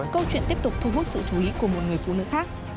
câu chuyện tiếp tục thu hút sự chú ý của một người phụ nữ khác